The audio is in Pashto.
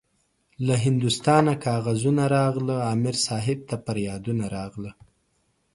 له هندوستانه کاغذونه راغله- امیر صاحب ته پریادونه راغله